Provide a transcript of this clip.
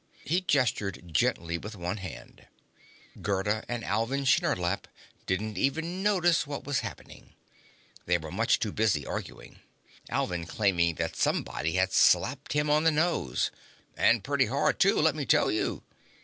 He gestured gently with one hand. Gerda and Alvin Sherdlap didn't even notice what was happening. They were much too busy arguing, Alvin claiming that somebody had slapped him on the nose "and pretty hard, too, let me tell you!"